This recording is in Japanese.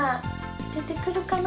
でてくるかな？